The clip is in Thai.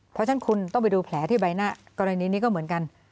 เพราะฉะนั้นคุณต้องไปดูแผลที่ใบหน้ากรณีนี้ก็เหมือนกัน